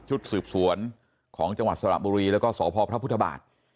ชุดสืบสวนของจังหวัดสระบุรีแล้วก็สพพระพุทธบาท